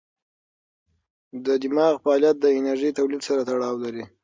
د دماغ فعالیت د انرژۍ تولید سره تړاو لري.